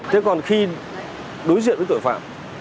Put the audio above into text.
thế còn khi đối diện với tội phạm